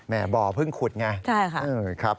แหม่บ่อเพิ่งขุดไง